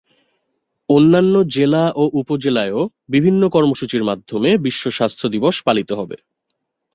অন্যান্য জেলা ও উপজেলায়ও বিভিন্ন কর্মসূচির মাধ্যমে বিশ্ব স্বাস্থ্য দিবস পালিত হবে।